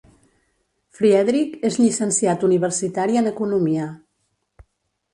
Friedrich és llicenciat universitari en Economia.